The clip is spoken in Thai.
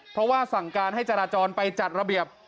เพราะว่าสั่งการให้จราจรไปจัดระเบียบ